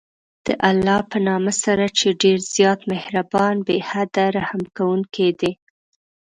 د الله په نامه سره چې ډېر زیات مهربان، بې حده رحم كوونكى دى.